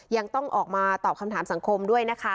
ยังต้องออกมาตอบคำถามสังคมด้วยนะคะ